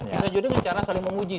bisa juga dengan cara saling menguji